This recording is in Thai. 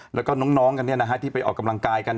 แล้วก็น้องกันที่ไปออกกำลังกายกัน